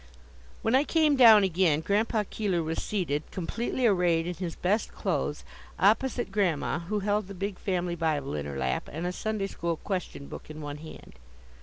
When I came down again, Grandpa Keeler was seated, completely arrayed in his best clothes, opposite Grandma, who held the big family Bible in her lap, and a Sunday school question book in one hand.